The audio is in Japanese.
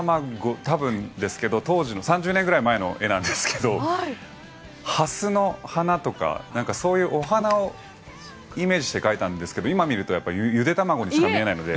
当時の３０年くらい前の絵なんですけどハスの花とかお花をイメージして描いたんですが今見るとゆで卵にしか見えないので。